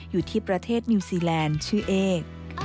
อยู่ที่ประเทศนิวซีแลนด์ชื่อเอก